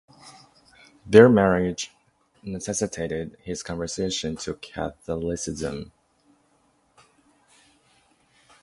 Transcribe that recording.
Their marriage necessitated his conversion to Catholicism.